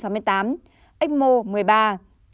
số bệnh nhân tử vong